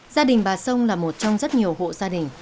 gia đình bà sông là một trong rất nhiều hộ gia đình